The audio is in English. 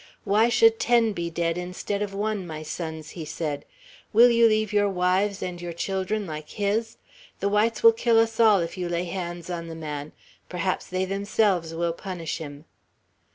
"Why should ten be dead instead of one, my sons?" he said. "Will you leave your wives and your children like his? The whites will kill us all if you lay hands on the man. Perhaps they themselves will punish him."